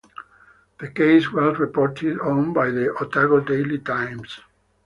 The case was reported on by The Otago Daily Times.